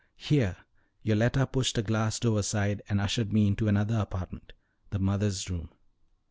Here Yoletta pushed a glass door aside and ushered me into another apartment the Mother's Room.